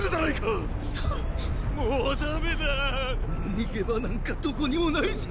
逃げ場なんかどこにも無いぞ！！